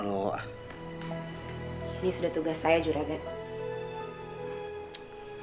ini sudah tugas saya juragan